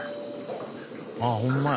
あっホンマや。